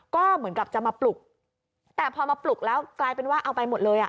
ก็เหมือนกับจะมาปลุกแต่พอมาปลุกแล้วกลายเป็นว่าเอาไปหมดเลยอ่ะ